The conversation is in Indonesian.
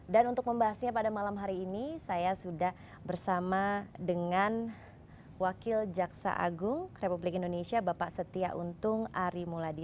untuk membahasnya pada malam hari ini saya sudah bersama dengan wakil jaksa agung republik indonesia bapak setia untung ari muladi